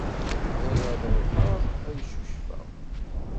Bɣiɣ ad ṛuḥeɣ ad cucfeɣ.